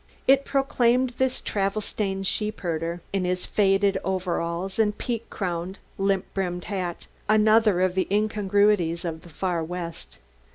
It proclaimed this travel stained sheepherder in his faded overalls and peak crowned limp brimmed hat another of the incongruities of the far west.